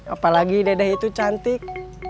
apalagi dedeh itu cantik